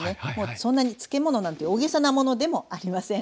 そんなに漬物なんて大げさなものでもありません。